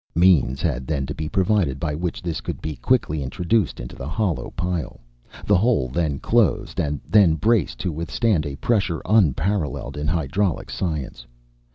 Means had then to be provided by which this could be quickly introduced into the hollow pile, the hole then closed, and then braced to withstand a pressure unparalleled in hydraulic science.